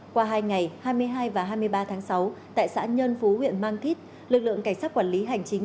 qua hai ngày hai mươi hai và hai mươi ba tháng sáu tại xã nhân phú huyện mang thít lực lượng cảnh sát quản lý hành chính